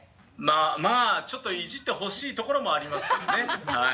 まぁちょっとイジってほしいところもありますけどねはい。